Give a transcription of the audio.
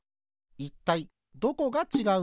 いったいどこがちがうのか？